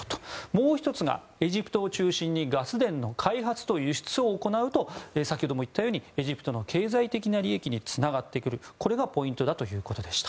もう１つがエジプトを中心にガス田の開発と輸出を行うと先ほども言ったようにエジプトの経済的な利益につながってくるこれがポイントだということでした。